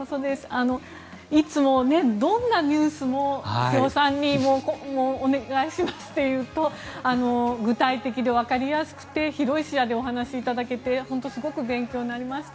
いつも、どんなニュースも瀬尾さんにお願いしますって言うと具体的で分かりやすくて広い視野でお話しいただけて本当にすごく勉強になりました。